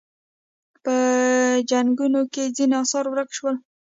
په جنګونو کې ځینې اثار ورک شول